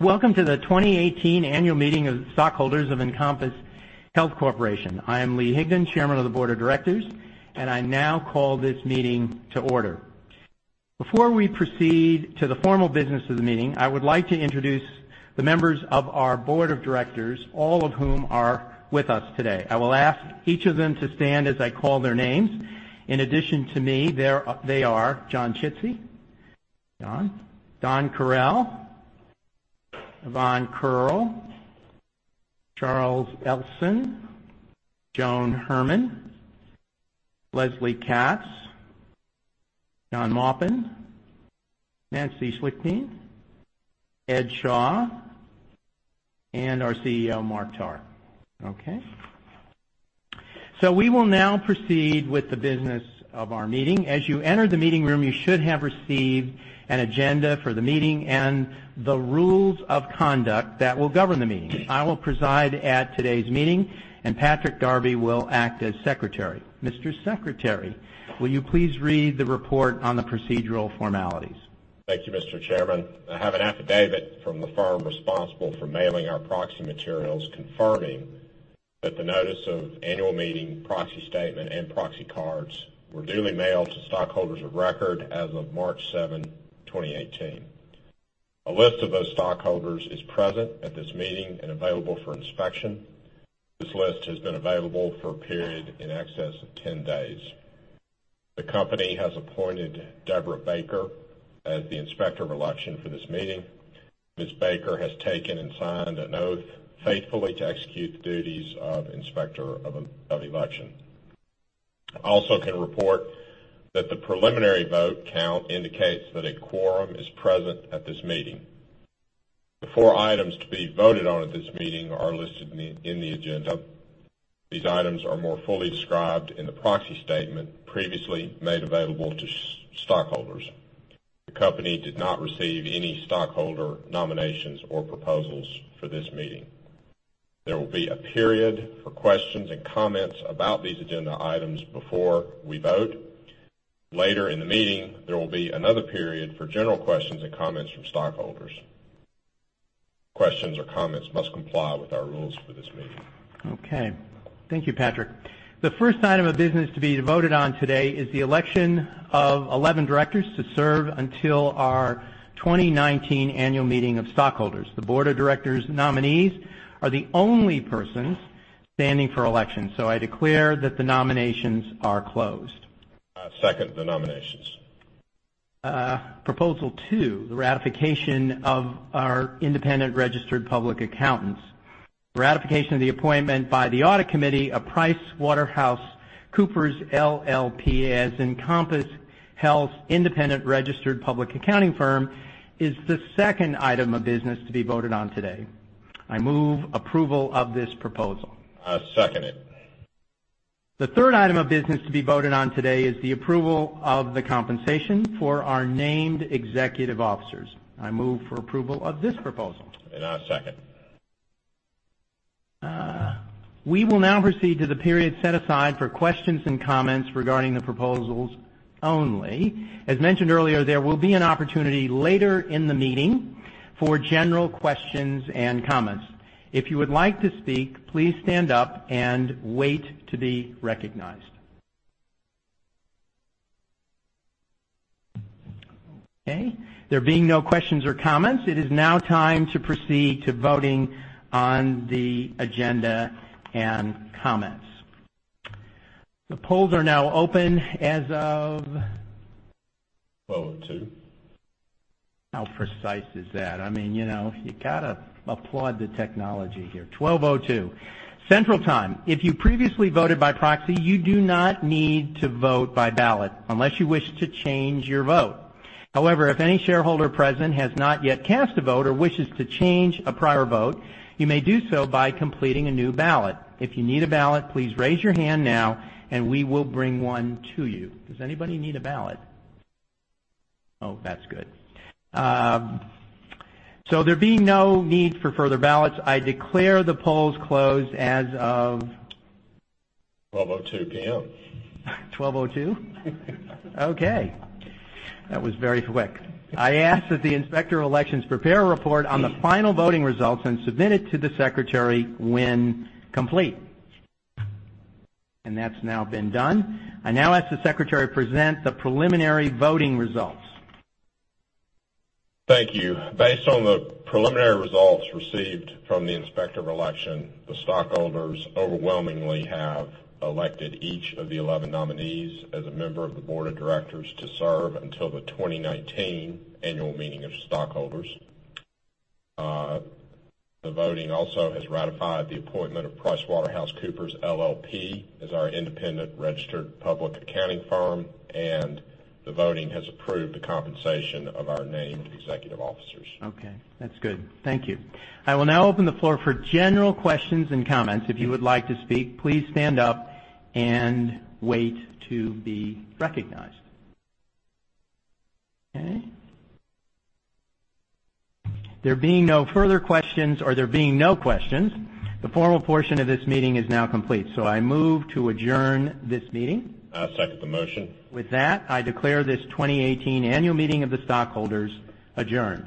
Welcome to the 2018 annual meeting of stockholders of Encompass Health Corporation. I am Leo Higdon, chairman of the board of directors, I now call this meeting to order. Before we proceed to the formal business of the meeting, I would like to introduce the members of our board of directors, all of whom are with us today. I will ask each of them to stand as I call their names. In addition to me, they are John Chidsey. John. Don Correll, Yvonne Curl, Charles Elson, Joan Herman, Leslie Katz, John Maupin, Nancy Schlichting, Ed Shaw, and our CEO, Mark Tarr. Okay. We will now proceed with the business of our meeting. As you enter the meeting room, you should have received an agenda for the meeting and the rules of conduct that will govern the meeting. I will preside at today's meeting, and Patrick Darby will act as secretary. Mr. Secretary, will you please read the report on the procedural formalities? Thank you, Mr. Chairman. I have an affidavit from the firm responsible for mailing our proxy materials, confirming that the notice of annual meeting, proxy statement, and proxy cards were duly mailed to stockholders of record as of March seventh, 2018. A list of those stockholders is present at this meeting and available for inspection. This list has been available for a period in excess of 10 days. The company has appointed Deborah Baker as the Inspector of Election for this meeting. Ms. Baker has taken and signed an oath faithfully to execute the duties of Inspector of Election. I also can report that the preliminary vote count indicates that a quorum is present at this meeting. The four items to be voted on at this meeting are listed in the agenda. These items are more fully described in the proxy statement previously made available to stockholders. The company did not receive any stockholder nominations or proposals for this meeting. There will be a period for questions and comments about these agenda items before we vote. Later in the meeting, there will be another period for general questions and comments from stockholders. Questions or comments must comply with our rules for this meeting. Okay. Thank you, Patrick. The first item of business to be voted on today is the election of 11 directors to serve until our 2019 annual meeting of stockholders. The Board of Directors nominees are the only persons standing for election. I declare that the nominations are closed. I second the nominations. Proposal two, the ratification of our independent registered public accountants. Ratification of the appointment by the audit committee of PricewaterhouseCoopers LLP, as Encompass Health's independent registered public accounting firm is the second item of business to be voted on today. I move approval of this proposal. I second it. The third item of business to be voted on today is the approval of the compensation for our named executive officers. I move for approval of this proposal. I'll second. We will now proceed to the period set aside for questions and comments regarding the proposals only. As mentioned earlier, there will be an opportunity later in the meeting for general questions and comments. If you would like to speak, please stand up and wait to be recognized. Okay. There being no questions or comments, it is now time to proceed to voting on the agenda and comments. The polls are now open as of 12:02 P.M. How precise is that? You got to applaud the technology here. 12:02 Central Time. If you previously voted by proxy, you do not need to vote by ballot unless you wish to change your vote. However, if any shareholder present has not yet cast a vote or wishes to change a prior vote, you may do so by completing a new ballot. If you need a ballot, please raise your hand now, and we will bring one to you. Does anybody need a ballot? Oh, that's good. There being no need for further ballots, I declare the polls closed as of 12:02 P.M. 12:02? Okay. That was very quick. I ask that the Inspector of Election prepare a report on the final voting results and submit it to the secretary when complete. That's now been done. I now ask the secretary to present the preliminary voting results. Thank you. Based on the preliminary results received from the Inspector of Election, the stockholders overwhelmingly have elected each of the 11 nominees as a member of the board of directors to serve until the 2019 annual meeting of stockholders. The voting also has ratified the appointment of PricewaterhouseCoopers LLP as our independent registered public accounting firm. The voting has approved the compensation of our named executive officers. Okay. That's good. Thank you. I will now open the floor for general questions and comments. If you would like to speak, please stand up and wait to be recognized. Okay. There being no further questions, or there being no questions, the formal portion of this meeting is now complete, so I move to adjourn this meeting. I second the motion. With that, I declare this 2018 Annual Meeting of the stockholders adjourned.